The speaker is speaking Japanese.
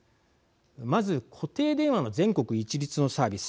まず固定電話の全国一律のサービス